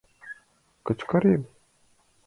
Кычкырем: